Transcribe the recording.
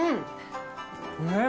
えっ？